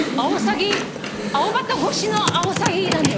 アオバト越しのアオサギなのよ。